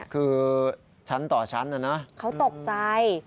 คือชั้นต่อชั้นนะนะเขาตกใจ